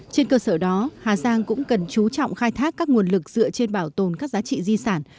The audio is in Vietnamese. trên cơ sở đó hà giang cũng cần chú trọng khai thác các nguồn lực dựa trên bảo tồn các giá trị di sản